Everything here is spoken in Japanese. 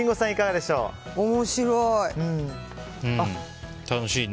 面白い！